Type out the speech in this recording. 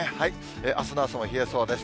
あすの朝も冷えそうです。